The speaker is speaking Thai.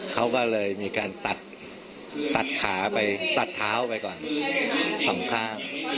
เขาก็เลยมีการตัดขาไปตัดเท้าไปก่อนสองข้าง